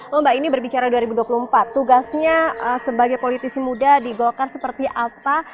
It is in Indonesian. lomba ini berbicara dua ribu dua puluh empat tugasnya sebagai politisi muda di golkar seperti apa